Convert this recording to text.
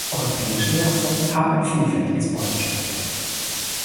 Europäische Nerze haben ein vielfältiges Beutespektrum.